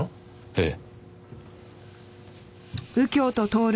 ええ。